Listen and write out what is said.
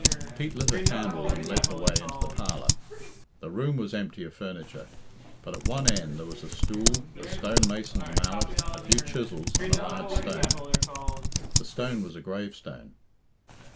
Pete lit a candle and led the way into the parlour. The room was empty of furniture; but at one end there was a stool, a stone mason's mallet, a few chisels, and a large stone. The stone was a gravestone.